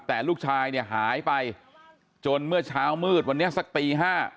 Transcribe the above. แต่ลูกชายเนี่ยหายไปจนเมื่อเช้ามืดวันนี้สักตี๕